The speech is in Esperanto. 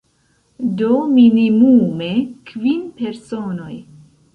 Do, minimume kvin personoj.